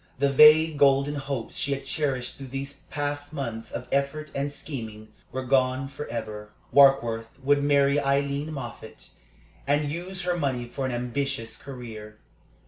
The vague, golden hopes she had cherished through these past months of effort and scheming were gone forever. Warkworth would marry Aileen Moffatt, and use her money for an ambitious career.